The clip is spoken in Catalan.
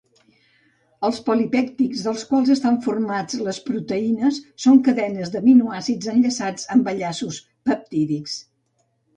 Els polipèptids dels quals estan formats les proteïnes són cadenes d'aminoàcids enllaçats amb enllaços peptídics.